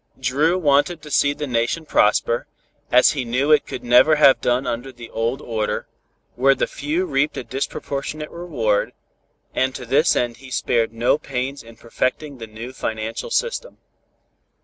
Dru wanted to see the nation prosper, as he knew it could never have done under the old order, where the few reaped a disproportionate reward and to this end he spared no pains in perfecting the new financial system.